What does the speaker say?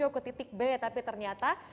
jauh ke titik b tapi ternyata